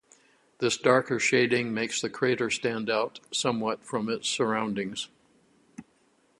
This darker shading makes the crater stand out somewhat from its surroundings.